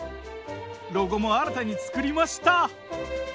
ロゴも新たに作りました。